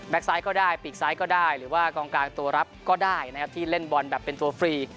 ซ้ายก็ได้ปีกซ้ายก็ได้หรือว่ากองกลางตัวรับก็ได้นะครับที่เล่นบอลแบบเป็นตัวฟรี